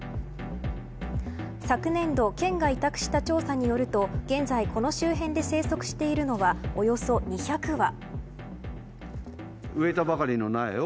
昨年度県が委託した調査によると現在、この周辺で生息しているのはおよそ２００羽。